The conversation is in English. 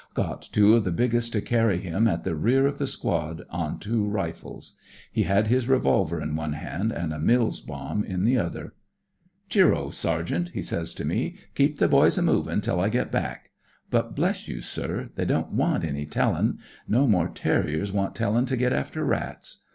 Got two of the biggest to carry him at the rear of the squad on two rifles. He had his revolver in one hand and a Mills bomb in the other. Cheero, Sergeant !' he says to me. • Keep the boys a movin' till I get back.* But bless you, sir, they don't want any telling. No more'n terriers want tellin' to get after rats.